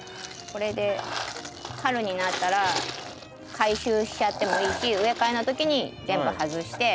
これで春になったら回収しちゃってもいいし植え替えの時に全部外して。